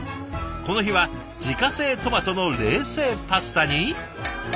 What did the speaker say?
この日は自家製トマトの冷製パスタに。